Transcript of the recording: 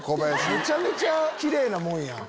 めちゃめちゃキレイなもんやん。